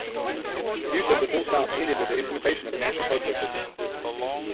Use of the full stops ended with the implementation of the national postcode system.